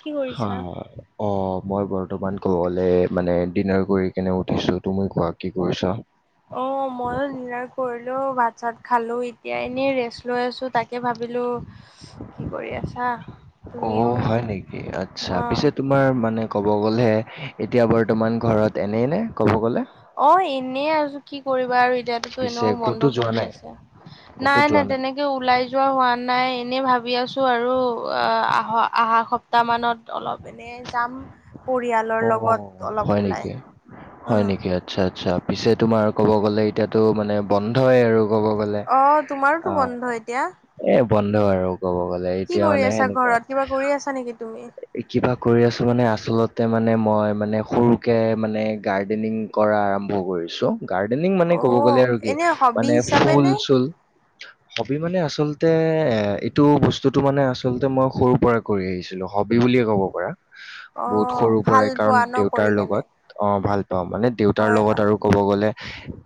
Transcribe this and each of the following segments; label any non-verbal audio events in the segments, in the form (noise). কি হ কৰিছা? অ মই বাৰ অ্তমান ক'বলে মানে ডিনাৰ কৰি কেনে উঠিছো তু মই কোৱা কি কৰিছা অ মইও দিনাৰ কৰিলোঁ ইল কৰিলো ভাত চাত খাই খালো এতিয়া এনেই ৰেষ্ট লৈ আছো তাকে ভাবিলো কি কৰি আছা অ তুমিও হয় নেকি আচ্ছা অঁ পিছে তোমাৰ মানে ক'ব গ'লে এতিয়া বৰ্তমান ঘৰত এনেই নে ক'ব গ'লে অ এনে আছো কি কৰিবা আৰু এতিয়াাতো পিছে এনেও ক'তো বন্ধ যোৱা চলি নাই আছে ক'তো নাই যোৱা নাই তেনেকে ওলাই যোৱা হোৱা নাই এনেই ভাব ভ আছো আৰু আহ আহা সপ্তাহ মানত অলপ এনে যাম পৰিয়ালৰ অ লগত হয় অলপ ওলাই নেকি হয় উম। নেকি আচ্ছা আচ্ছা পিছে তোমাৰ কব গ'লে এতিয়াাতো মানে বন্ধই আৰু কব গলে অ তোমাৰোতো অ বন্ধ এতিয়া এ বন্ধ আৰু কব গলে কি এতিয়া কৰি মানে আছা সেনেকুৱা ঘৰত কিবা কৰি আছা নেকি তুমি? কিবা কৰি আছো মানে আচলতে মানে মই মানে সৰুকে মানে গাৰ্ডেনিং কৰা আৰম্ভ কৰিছোঁ গাৰ্ডেনিং মানে ক'ব গ'লে অ' আৰু কি এনে হবি মানে হিচাপে ফুল নে চুল হবি মানে আচলতে এ এইটো বস্তুটো মানে আচল্ততে মই সৰুৰ পৰাই কৰি আহিছিলো হবি বুলিয়ে ক'ব পাৰা বহুত অ' সৰু ভাল পৰাই কাৰণ পোৱা ন দেউতাৰ কৰি কেনে লগত অ ভাল অ মানে দেউতাৰ হয় লগত হয় আৰু ক'ব গ'লে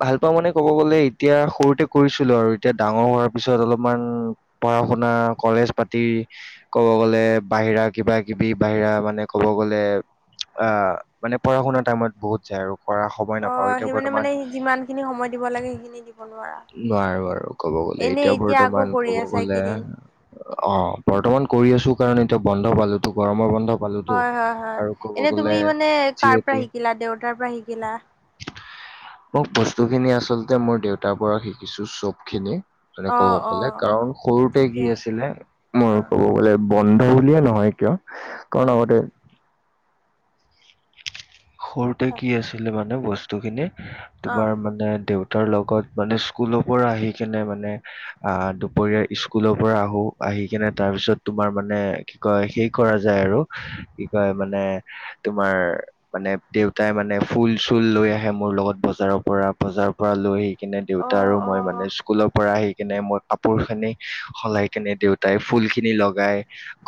ভাল পা মানে ক'ব গ'লে এতিয়া সৰুতে কৰিছিলো আৰু এতিয়া ডাঙৰ হোৱাৰ পিছত অলপমান পঢ়া শুনা কলেজ পাতি ক'ব গ'লে বাহিৰা কিবা কিবি বাহিৰা মানে ক'ব গ'লে আ মানে পঢ়া শুনাাৰ টাইমত বহুত যায় আৰু কৰা সময় নাপাওঁ অ' এতিয়া সি মানে বৰ্তমান মানে যিমান খিনি সময় দিব লাগে সেইখিনি দিব নোৱাৰা বাৰু বাৰু কব এনে এতিয়া আকৌ বৰ্তমান কৰি ক'ব আছা গলে এইকেইদিন অ বৰ্তমান কৰি আছো কাৰণ এতিয়া বন্ধ পালোতটো গৰমৰ বন্ধ প পালোতো হয় হয় হয় আৰু ক'ব এনে গলে তুমি মানে কাৰ পৰা যিহতি শিকিলা দেউতাৰ পৰা শিকিলা মোক বস্তুখিনি আচলতে মোৰ দেউতাৰ পৰা শিকিছো চব খিনি মানে ক'ব অ' গ'লে অ' কাৰণ সৰুতে ঠিকে কি আছে আছিলে মই অ' ক'ব গ'লে বন্ধ বুলিয়ে ন হয় কিয় উম কণ গতে সৰুতে কি আছিলে মানে বস্তু খিনি তোমাৰ অ' মানে দেউত তাৰ লগত মানে স্কুলৰ পৰা আহি কিনে মানে আহ দুপৰীয়াাৰ স্কুলৰ পৰা আহো আহ আহি কেনে তাৰ পিছত তোমাৰ মানে কয় সেই কৰা যায় আৰু কি কয় মানে তোমাৰ মানে দেউতাই মানে ফুল চুল লৈ আহে মোৰ লগত বজাৰৰ পৰা বজাৰৰ পৰা লৈ আহি স কিনে দেউতা আৰু অ' মই মানে অ' স্কুলৰ পৰা আহি কেনে মোৰ কাপোৰ খিনি সলাই কেনে দেউতাই ফুল খিনি লগাই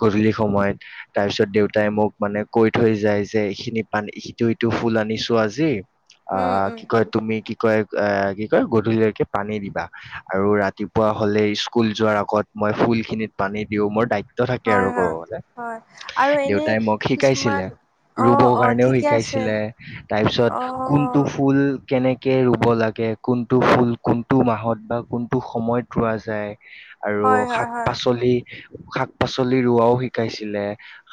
গধূলি সময়ত তাৰ পিছত দেউতাই মোক মানে কৈ থৈ যায় যে এইখিনি পান সিটো ইটো ফুল আনিছো আজি অ উম উম কি কয় তুমি কয় এ কি কয় গধূলকে পানী দিবা আৰু ৰাতিপুৱা হ'লে স্কুল যোৱাৰ আগত মই ফুল খিনিত পানী দিও মোৰ দায়িত্ব থাকে হয় আৰু গৰ হয় গলে হয় আৰু এনে দেউতাই মোক কিছুমান শিকাইছিলে ৰুব অ' অ' কাৰণেও ঠিকে আছে শিকাইছিলে অ' তাৰপিছত কোনটো ফুল কেনেে কে ৰুব লাগে কোনটো ফুল কোনটো মাহত বা কোনটো সময়ত ৰোৱা যায় আৰু হয় হয় শাক হয় পাচলি শাক পাচলি ৰৰুোৱাও শিকাইছিলে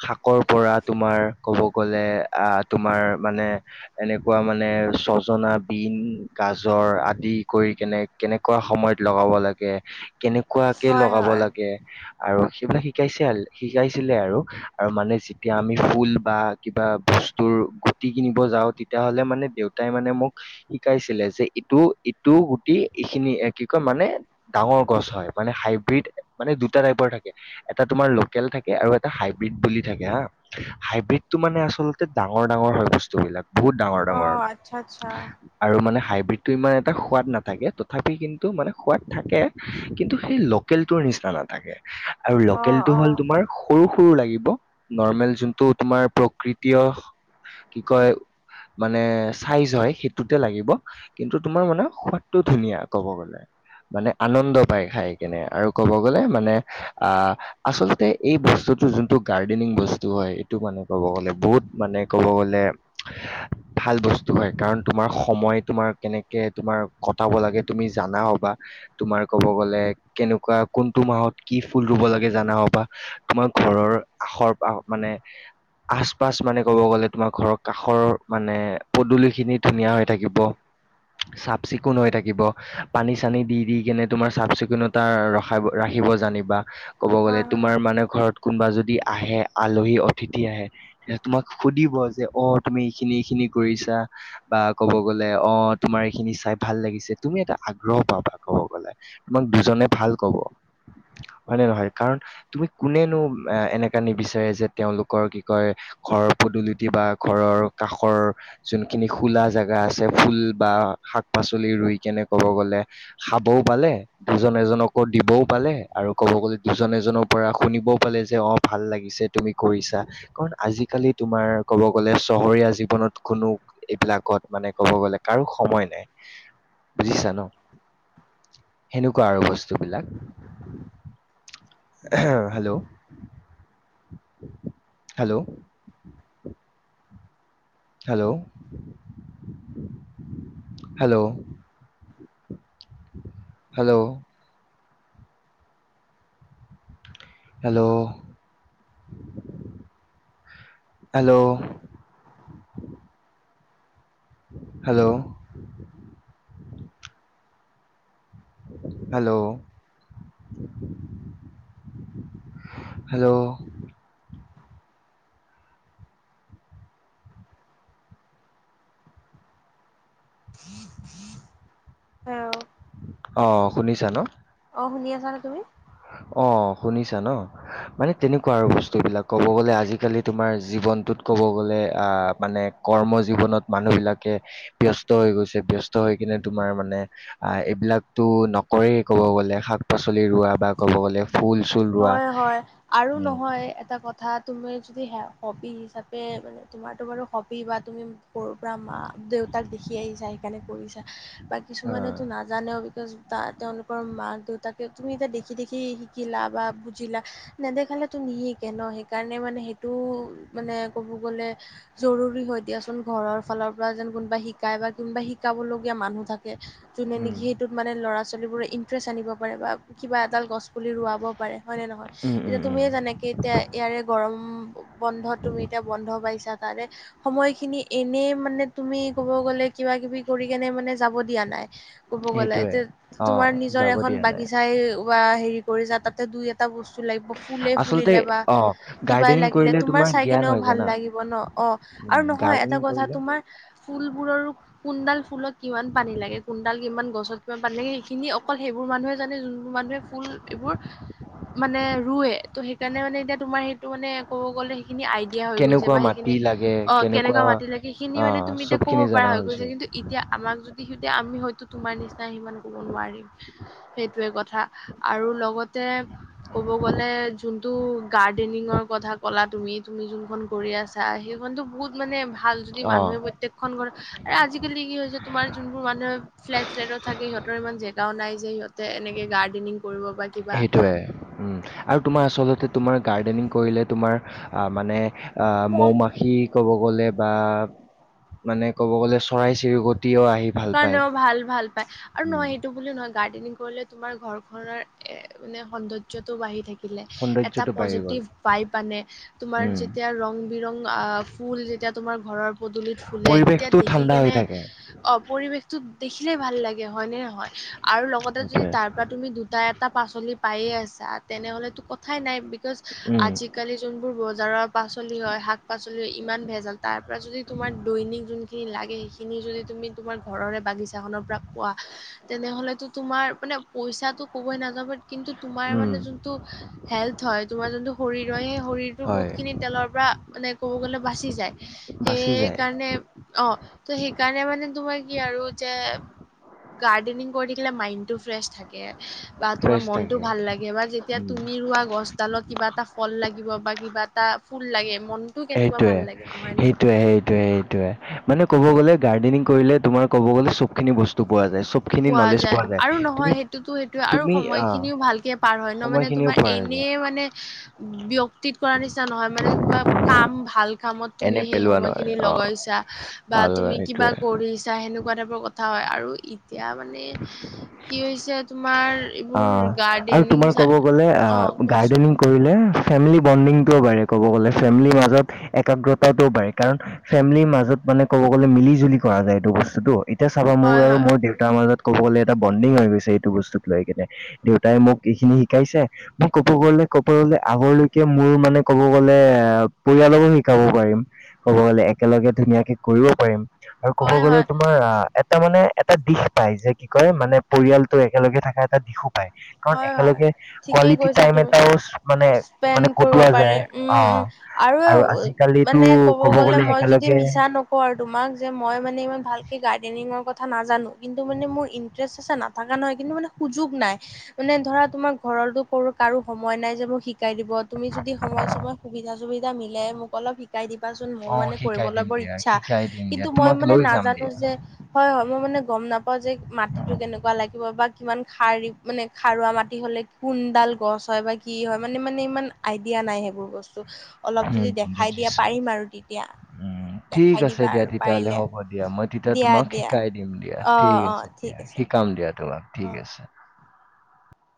শাকৰ পৰা তোমাৰ ক'ব গ'লে আ তোমাৰ মানে এনেকুৱা মানে ছজনা বিন গাজৰ আদি কৰি কেনে কেনেকুৱা সময়ত লগাব লাগে কেনেকুৱাকে হয় লগাব হয় লাগে আৰু সেইবিলাক শ শিকাইছে শিকাইছিলে আৰু আৰু মানে যেতিয়া আমি ফুল বা কিবা বস্তুৰ গুটি কিনিব যাও তেতিয়াাহলে মানে দেউতাই মানে মোক শিকাইছিলে যে ইটো ইটো গুটি এইখিনি এ কি কয় মানে ডাঙৰ গছ হয় মানে হাইব্ৰীড মানে দুটা টাইপৰ থাকে এটা তোমাৰ লোকেল থাকে আৰু এটা হাইব্ৰীড বুলি থাকে হা হাইব্ৰীড টো মানে আচলতে ডাঙৰ ডাঙৰ ব অ', আচ্ছা আচ্ছা বা টো ইমান এটা সোৱাদ নাথাকে তথাপি কিন্তু মানে সোৱাদ থাকে কিন্তু সেই লেল ৰ নিচিনা নাথাকে আৰু অ', লোকেলটো হ'ল অ', তোমাৰ সৰু লাগিব নৰ্মেল যোনটো তুমাৰ প্ৰকৃতিয় কি কয় মানে চাইজ হয় সেইটোতে লাগিব কিন্তু তোমাৰ মানে সোৱাদটো ধুনীয়া কব গলে মানে আনন্দ পায় খাই কেনে আৰু ক'ব গ'লে মানে আহ আচলতে এই বস্তুটো যোনটো গাৰ্ডেনিং বস্তু হয় এইটো মানে ক'ব গ'লে বহুত মানে ক'ব গ'লে ভাল বস্তু হয় কাৰণ তোমাৰ সময় তোমাৰ কেনেকে তোমাৰ কটাব লাগে তুমি জানা হ'বা তুমাৰ কব গলে কেনেকুৱা কোনটো মাহত কি ফুল ৰুব লাগে জানা বা তোমাৰ ঘৰৰ আখৰ মানে আচ পাছ মানে কব গ'লে তোমাৰ ঘৰৰ কাষৰ মানে পদুলিখিনি ধুনীয়া হৈ থাকিব চাফ চিকুণ হৈ থাকিব পানী চানী দি দি কেনে তোমাৰ চাফ চিকুণতা ৰখা ৰাখি আহিব জানিবা ক'ব গ'লে হয় হয় তোমাৰ মানে ঘৰত কোনোবা যদি আহে আলহী অতিথি আহে তোমাক সুধিব যে অ তুমি এইখিনি এইখিনি কৰিছা বা ক'ব গলে অ তোমাৰ এইখিনি চাই ভাল লাগিছে তুমি এটা আগ্ৰহ পাবা কব গলে তোমাক দুজনে ভাল কব হয় নে নহয় কাৰণ তুমি কোনেনো এনেকা নিবিচাৰে যে তেওঁলোকৰ কি কয় ঘৰৰ পদূলিতি বা ঘৰৰ কাষৰ যোনখিনি খোলা জোগা আছে ফুল বা শাক পাচলি ৰুই কেনে ক'ব গ'লে খাবও পালে দুজন এজনকো দিবও পালে আৰু ক'ব গ'লে ইজ এজনৰ পৰা শুনিবও পালে যে অ ভাল লাগিছে তুমি কৰিছা কাৰণ আজিকালি তোমাৰ ক'ব গ'লে চহৰীয়া জীৱনত কোনো এইবিলাকত মানে ক'ব গ'লে কাৰো সময় নাই বুজিছা ন সেনেকুৱা আৰু বস্তুবিলাক hello hello hello hello hello hello hello hello hello hello আহ অ শুনিছা ন অ শুনি আছ নে তুমি অঁ শুনিছা ন মানে তেনেকুৱা আৰু বস্তুবিলাক ক'ব গ'লে আজিকালি তোমাৰ জীৱনটোত ক ক'ব গলে আ মানে কৰ্ম জীৱনত মানুহ বিলাকে ব্যস্ত হৈ গৈছে ব্যস্ত হৈ কিনে তোমাৰ মানে অ এইবিলাকো নকৰে ক'ব গলে শাক পাচলি ৰোৱা বা ক'ব গ'লে ফুল চুল ৰোৱা হয় হয় আৰু উম নহয় এটা কথা কথা তুমি যদি হবি হিচাপে মানে তোমাৰতো বাৰু হবি বা তুমি সৰুৰ পৰা মা দেউতাক দেখি আহিছা সেইকাৰণে কৰিছা বা অ কিছুমানেতো নাজানেও বিকজ ত তেওঁলোকৰ মাক দেউতাকে তুমি এতিয়া দেখি দেখি শিকিলা বুজিলা নেদেখালে তো নিশহিকে ন সেইকাৰণে মানে সেইটোও মানে ক'ব গলে জৰুৰী হয় দিয়াচোন ঘৰৰ ফালৰ পৰা যেন কোনোবা শিকাই বা কোনোবা শিকাব লগগীয়া মানুহ থাকে যোনে উম নেকি সেইটোত মানে ল' ছোৱালীবোৰে ইন্টাৰেষ্ট আনিব পাৰে বা কিবা এডাল গছ পুলি ৰুৱাব হয় নে নহয় উম উম এতিয়া উম তুমিয়ে যোনেকে এতিয়া ইয়াৰে গৰম বন্ধ তুমি এতিয়া বন্ধ পাইছ (unintelligible) সময়খিনি এনে মানে তুমি ক'ব গ'লে কিবা কিবি কৰি কেনে মানে যাব দিয়া নাই ক'ব গ'লে এ সেইটোৱে অ তোমাৰ নিজৰ যাব এখন দিয়া নাই বাগিচাই বা হেৰি কৰি তাতে দুই এটা বস্তু ল ফুলে আচলতে ফুলিলে বা অ, কিব গাৰ্ডেনিং লাগিলে কৰিলে তুমাৰ তোমাৰ চাই জ্ঞান কেনেও হয় ভাল জানা? লাগিব ন অ উম, আৰু নহয় এটা গাৰ্ডেনিং কথা কৰিলে তোমাৰ ফুলবোৰৰ কোনডাল ফুলত কিমান পানী লাগে কুনডাল কিমান গছত কিমান পানী লাগে সেইখিনি অকল সেইবোৰ মানুহে জানে যোনবোৰ মানুহে ফুল এইবোৰ মানে ৰুৱে ত' সেইকাৰণে মানে এতিয়া তোমাৰ সেইটো মানে ক'ব গ'লে সেইখিনি আইডিয়া হৈ গৈছে কেনেকুৱা বা সেইখিনি মাটি লাগে, অ কেনেকুৱা মাতি লাগে সেইখিনি অ, মানে তুমি এতিয়া ক'ব চবখিনি পৰাা জানা হৈ গৈছে হৈছো। কিন্তু এতিয়া আমাক যদি সেই এতিয়া আমি হয়তো তোমাৰ নিচিনা সিমান ক'ব নোৱাৰিম সেইটোৱে কথা আৰু লগত ক'ব গ'লে গাৰ্ডেনিংৰ কথা ক'লা তুমি তুমি যোনখনন কৰি আছা সেইখন টো বহুত মানে ভ ভাল যদি অ, মানুহে প্ৰত্েকখন ঘ আজিাল কি হৈছে তোমাৰ যোনবোৰ মানুহে ফ্লেট্লেট থে সিহঁৰ ইমান জোও নাই যে সিহঁতে এনেকে গাৰ্ডেনিং কৰিব বা কিবা স উম আৰু তোমাৰ আচলতে তোমাৰ গাৰ্ডেনিং কৰিলে তোমাৰ আহ মানে আহ মৌ মন মাখি ক'ব গ'লে বা মানে ক'ব গ'লে চৰাই চিৰিকট কাৰণেও ভাল ভাল পায় আৰু উম, নহয় এইটো বুলি নহয় গাৰ্ডেনিং কৰিলে তোমাৰ ঘৰখনৰ মানে সৌন্দৰ্যটো বাঢ়ি থাকে সৌন্দৰ্যটো বাঢ়ি গ'ল। আনে তোমাৰ উম, যেতিয়া ৰং বিৰং আহ ফুল যেতিয়া তোমাৰ ঘৰৰ পদূলিত ফুলে তেতিয়া পৰিৱেশটো দেখি ঠাণ্ডা হৈ কেনে থাকে। অ পৰিৱেশটো দেখিলেই ভাল লাগে হয়নেে নহয় আৰু লগতে যদি সেইটোৱে। তাৰ পৰা তুমি দুটা এটা পাচলি পায়ে আছা তেনেহ'লেতো কথাই নাই বিকজ উম, আজিকালি যোনবোৰ বজ জাৰৰ পাচলি হয় শাক পাচলি হয় ইমান ভেজাল তাৰ পৰা যদি তোমাৰ দৈনিক য লাগে সেইখিনি যদি তুমি তোমাৰ ঘৰৰে বাগিছাখনৰ পৰা কোৱা তেনেহলেতো তোমাৰ মানে পইচাটো কবই নাযাব কিন্তু তোমাৰ উম, মানে যোনটো হেল্থ হয় তোমাৰ যোনটো শৰীৰ হয় সেই শৰীৰটো বহুত হয়, খিনি তেলৰ পৰা মানে ক'ব গ'লে বাচি যায় বাচি যায়, সেইকাৰণে অ ত সেইকাৰণে মানে কি আৰু কৰি থে ম্ৰ থে বা তোমাৰ ফ্ৰেছ মনতটো থাকে। ভাল লাগে বা যেতিয়া উম। তুমি ৰোৱা গছডালত কিবা এটা ফল লাগিব বা কিবা এটা ফুল লাগে মনটো কেনেকুৱা সেইটোোৱে ভাল লাগে নহয় নে? সেইটোয়ে সেইটোোৱে সেইটোোৱে মানে ক'ব গ'লে গাৰ্ডেনিং কৰিলে তুমাৰ ক'ব গ'লে চব খিনি বস্তু পোৱা যায় পোৱা যায় আৰু নহয় সেইটোতো সেইটোয়ে আৰু তুমি সময় আহ খিনিও ভালকে পাৰ হয় ন মানে সময়খিনিও তোমাৰ পোৱা এ যায়, মানে বক্তিত কৰা নিচিনা নহয় মানে কিবা কাম ভাল কামত তুমি এনে সেই পেলোৱা নহয়। সময়খিনি অ, লগাইছা বা ভাল হয় তুমি কিবা সেইটোৱে। কৰিছা সেনেকুৱা টাইপৰ কথা হয় আৰু এতিয়া মানে কি হৈছে তোমাৰ অ এইবোৰ আৰু গাৰ্ডেনিং তোমাৰ ক'ব গ'লে আ অ', কোৱাচোন গাৰ্ডেনিং কৰিলে ফেমিলি বণ্ডিংটোও বা়ে ক'ব গ'লে ফেমিলিৰ মাজত একাগ্ৰতাটোও বা় কাৰণ ফেমিলিৰ মাজত মানে ক'ব গ'লে মিলি জুলি কৰা যায় এইটো বস্তুতটো এতিয়া চাবা মোৰ হয় আৰু হয় মোৰ দেউতাৰ মাজত ক'ব গ'লে এটা বণ্ডিং হৈ গৈছে এইটো বস্তুক লৈ কিনে দেউতাই মোক এইখিনি শিকাইছে মোক ক'ব গ'লে ক'ব গলে আগলৈকে মোৰ মানে ক'ব গ'লে অ পৰিয়ালকো শিকাব পাৰিম ক'ব গ'লে একেলগে ধুনীয়াকে কৰিব পাৰিম আৰু ক'ব হয় গলে হয় তোমাৰ আহ এটা মানে এটা দিশ পায় যে কি কয় মানে পৰিয়ালটো একেলগে থকা এটা দিশো পায় কাৰণ হয় হয় একেলগে ঠিকেই কোৱালিটি কৈছা টাইম তুমি এটাও মানে স্পেণ্ড মানে কৰিব কটোৱা পাৰে যায় উম উম অ', আৰু মানে কব গলে মই যদি মিছা নকওঁ আৰু তোমাক যে মই মানে ইমান ভাল ভালকে গাৰ্ডেনিংৰ নাজানো কিন্তু মানে মোৰ ইন্টাৰেষ্ট আছে নাথা নহয় কিন্তু ম সুযোগ নাই মানে ধৰা তোমাক ঘৰৰতো কাৰো সময় নাই যে মোক শিকাই দিব তুমি যদি সময়, সময় সুবিধা চুবিধা মে মোক অলপ শিকাই শিকাই দিবাচোন মোৰ অ মানে শিকাই কৰিবলৈ দিম বৰ দিয়া ইচ্ছা শিকাই দিম দিয়া কিন্তু মই তোমাক মানে লৈ যাম নাজানো দিয়া যে হয়, হয় মই মানে গম নাপাও যে মাটিটো কেনেকুৱা লাগিব বা কিমান খাৰ মানে খাৰুৱা মাটি হ'লে কোনডাল গছ হয় বা কি হয় মানে মানে ইমান আইডিয়া নাই সেইবোৰ বস্তু অলপ উম, যদি দেখাই দিয়া পাৰিম আৰু তেতিয়া উ ঠিক দেখাই আছে, দিবা দিয়া আৰু তেতিয়াহ'লে পাৰিলে হ'ব দিয়া মই তেতিয়া দিয়া তোমাক দিয়া শিকাই দিম দিয়া অ ঠিক অ আছে ঠিক দিয়া আছে শিকাম দিয়া তোমাক ঠিক অ আছে